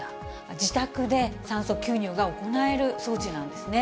自宅で酸素吸入が行える装置なんですね。